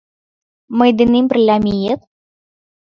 Мый денем пырля миет?